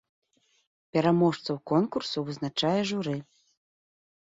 Пераможцаў конкурсу вызначае журы.